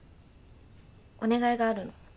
お願いがあるの。